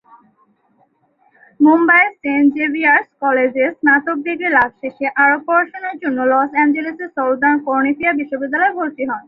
মুম্বইয়ের Saint Xavier's কলেজে স্নাতক ডিগ্রী লাভ শেষে আরও পড়াশোনার জন্য লস অ্যাঞ্জেলেসের সাউদার্ন ক্যালিফোর্নিয়া বিশ্ববিদ্যালয়ে ভর্তি হন।